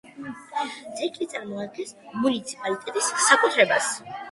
ძეგლი წარმოადგენს მუნიციპალიტეტის საკუთრებას.